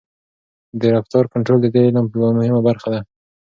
د رفتار کنټرول د دې علم یوه مهمه برخه ده.